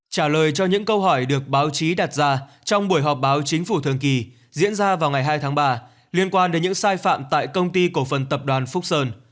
trả lời cho những câu hỏi được báo chí đặt ra trong buổi họp báo chính phủ thường kỳ diễn ra vào ngày hai tháng ba liên quan đến những sai phạm tại công ty cổ phần tập đoàn phúc sơn